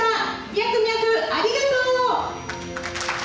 ミャクミャク、ありがとう。